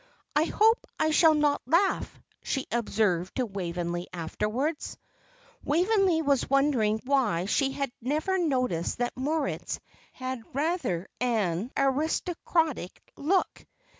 "I hope I shall not laugh," she observed to Waveney afterwards. Waveney was wondering why she had never noticed that Moritz had rather an aristocratic look.